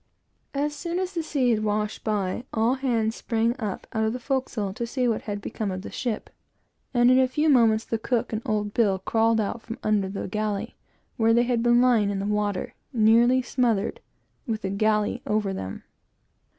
As soon as the sea had washed by, all hands sprung out of the forecastle to see what had become of the ship and in a few moments the cook and old Bill crawled out from under the galley, where they had been lying in the water, nearly smothered, with the galley over them.